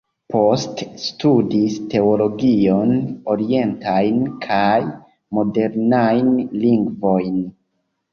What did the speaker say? Poste studis teologion, orientajn kaj modernajn lingvojn.